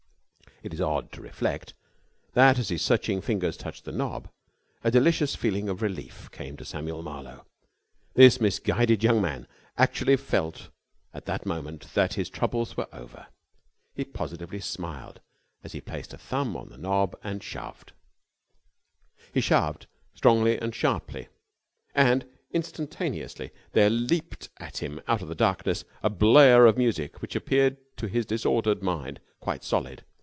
It is odd to reflect that, as his searching fingers touched the knob, a delicious feeling of relief came to Samuel Marlowe. This misguided young man actually felt at that moment that his troubles were over. He positively smiled as he placed a thumb on the knob and shoved. He shoved strongly and sharply, and instantaneously there leaped at him out of the darkness a blare of music which appeared to his disordered mind quite solid.